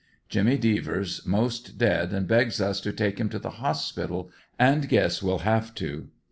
Jimmy Devers most dead and begs us to take him to the hospital and guess will have to.